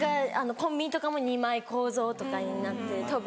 コンビニとかも２枚構造とかになって扉。